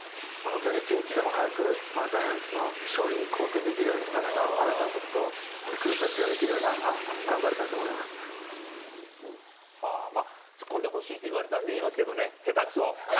本当に一日でも早く、ジャイアンツの勝利に貢献できるように、たくさん原監督とグータッチができるように、頑張りたいと思いままあ、突っ込んでほしいと言われたんで言いますけどね、下手くそ！